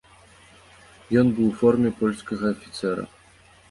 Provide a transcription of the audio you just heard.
Ён быў у форме польскага афіцэра.